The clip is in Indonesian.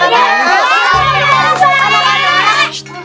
kita pindah tempat aja ya